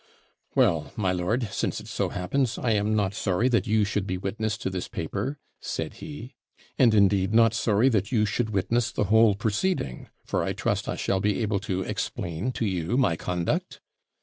'Well, my lord, since it so happens, I am not sorry that you should be witness to this paper,' said, he; 'and indeed not sorry that you should witness the whole proceeding; for I trust I shall be able to explain to you my conduct.'